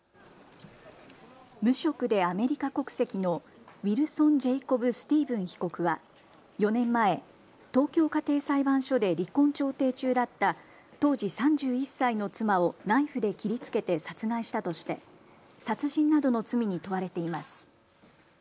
無職でアメリカ国籍のウィルソン・ジェイコブ・スティーブン被告は４年前、東京家庭裁判所で離婚調停中だった当時３１歳の妻をナイフで切りつけて殺害したとして殺人などの罪に問われています。